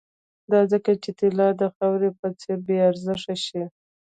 دا ځکه چې طلا د خاورې په څېر بې ارزښته شي